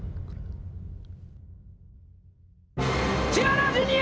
千原ジュニア！